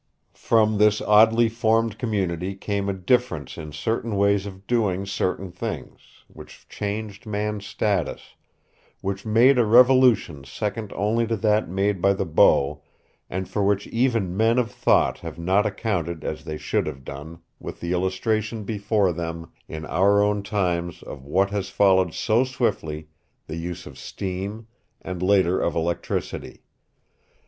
From this oddly formed community came a difference in certain ways of doing certain things, which changed man's status, which made a revolution second only to that made by the bow and for which even men of thought have not accounted as they should have done, with the illustration before them in our own times of what has followed so swiftly the use of steam and, later, of electricity.